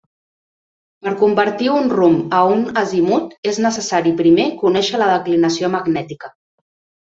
Per convertir un rumb a un azimut és necessari primer conèixer la declinació magnètica.